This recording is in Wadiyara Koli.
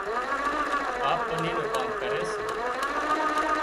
ٻاپ ٻني نون ڪام ڪري سي